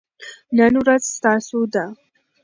نن ورځ ستاسو ده.